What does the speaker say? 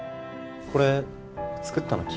これ作ったの君？